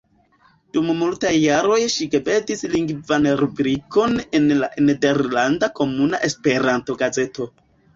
Dum multaj jaroj ŝi gvidis lingvan rubrikon en la nederlanda Komuna Esperanto-gazeto.